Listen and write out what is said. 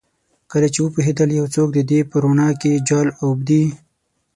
کله چې وپوهیدل یو څوک د دې په روڼا کې جال اوبدي